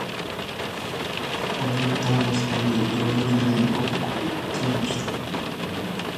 お弁当の隙間に、彩りの良いブロッコリーを詰めました。